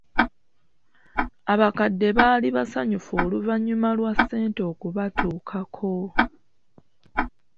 Abakadde baali basanyufu oluvannyuma lwa ssente okubatuukako.